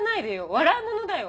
笑い物だよ。